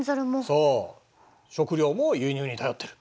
そう食料も輸入に頼ってる。